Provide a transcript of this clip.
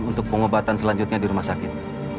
untuk pengobatan selanjutnya di rumah sakit